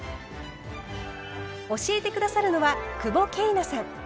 教えて下さるのは久保桂奈さん。